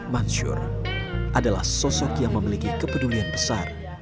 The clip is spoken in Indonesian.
mansyur adalah sosok yang memiliki kepedulian besar